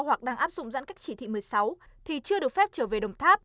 hoặc đang áp dụng giãn cách chỉ thị một mươi sáu thì chưa được phép trở về đồng tháp